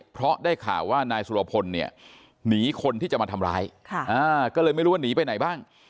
เพราะได้ข่าวว่านายสุรพลเนี่ยหนีคนที่จะมาทำร้ายก็เลยไม่รู้ว่าหนีไปไหนบ้าง